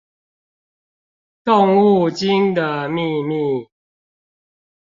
動物精的祕密